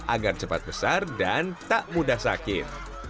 agar cepat besar dan tak mudah sakit